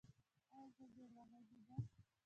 ایا زه ډیر وغږیدم؟